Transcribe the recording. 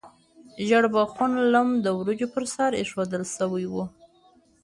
ژیړبخون لم د وریجو په سر ایښودل شوی و.